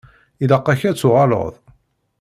Ilaq-ak ad tuɣaleḍ.